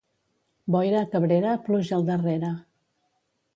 Boira a Cabrera, pluja al darrere.